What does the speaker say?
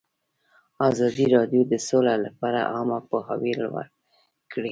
ازادي راډیو د سوله لپاره عامه پوهاوي لوړ کړی.